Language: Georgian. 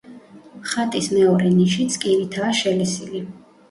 ხატის მეორე ნიშიც კირითაა შელესილი.